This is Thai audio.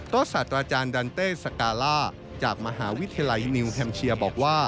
ก็ศาสตราจารย์ดันเต้สกาล่าจากมหาวิทยาลัยนิวแฮมเชียบอกว่า